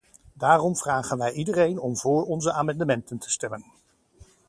Daarom vragen wij iedereen om voor onze amendementen te stemmen.